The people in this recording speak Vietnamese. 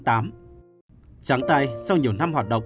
trắng tay sau nhiều năm hoạt động